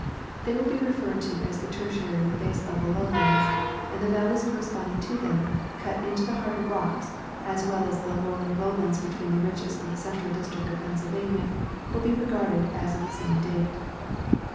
They will be referred to as the Tertiary baselevel lowlands ; and the valleys corresponding to them, cut in the harder rocks, as well as the rolling lowlands between the ridges of the central district of Pennsylvania will be regarded as of the same date.